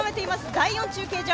第４中継所。